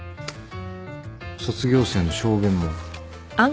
卒業生の証言も。